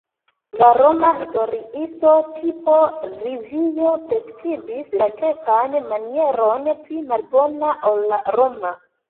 La Roma historiisto Tito Livio priskribis la grekan manieron pli malbona ol la roma.